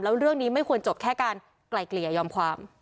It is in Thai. แล้วเรื่องนี้ไม่ควรจบแค่การไกลเกลี่ยยอมความ